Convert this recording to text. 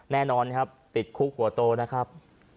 แน่นอนครับติดคุกหัวโตนะครับ